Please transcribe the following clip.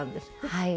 はい。